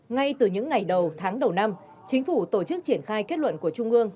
ngay từ những ngày đầu tháng đầu năm chính phủ tổ chức triển khai kết luận của trung ương